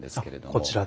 こちらで。